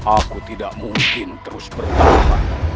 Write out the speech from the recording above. aku tidak mungkin terus bertambah